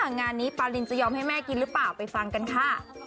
งานนี้ปารินจะยอมให้แม่กินหรือเปล่าไปฟังกันค่ะ